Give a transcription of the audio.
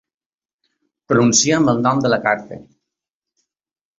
Pronunciem el nom de la Carpe.